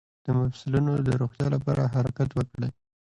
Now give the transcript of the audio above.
د مفصلونو د روغتیا لپاره حرکت وکړئ